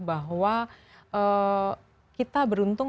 bahwa kita beruntung